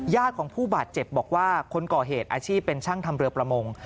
ของผู้บาดเจ็บบอกว่าคนก่อเหตุอาชีพเป็นช่างทำเรือประมง